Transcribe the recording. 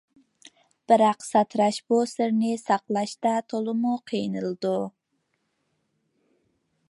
بىراق ساتىراش بۇ سىرنى ساقلاشتا تولىمۇ قىينىلىدۇ.